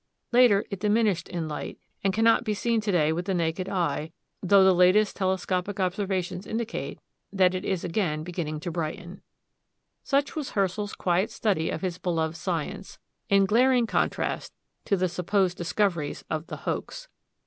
Later it diminished in light, and cannot be seen to day with the naked eye, though the latest telescopic observations indicate that it is again beginning to brighten. Such was Herschel's quiet study of his beloved science, in glaring contrast to the supposed discoveries of the "Hoax."